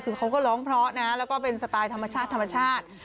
คือเขาก็ร้องเพราะนะแล้วก็เป็นสไตล์ธรรมชาติธรรมชาติ